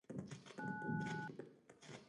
El nombre se interpreta como "Pueblo del Rhin".